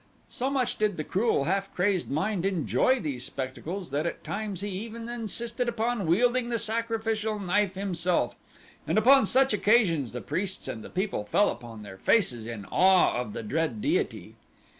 So much did the cruel, half crazed mind enjoy these spectacles that at times he even insisted upon wielding the sacrificial knife himself and upon such occasions the priests and the people fell upon their faces in awe of the dread deity.